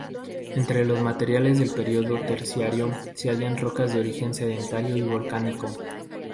Entre los materiales del período Terciario, se hallan rocas de origen sedimentario y volcánico.